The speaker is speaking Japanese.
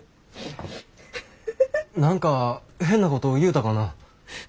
何か変なこと言うたかな？